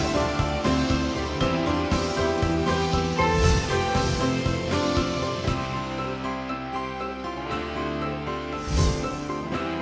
โปรดติดตามตอนต่อไป